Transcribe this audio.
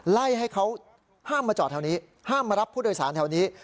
ไล่ให้เขาห้ามมาจอดแถวนี้ห้ามมารับผู้โดยสารแถวนี้